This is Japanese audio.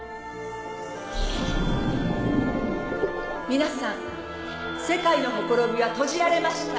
皆さん世界のほころびは閉じられました！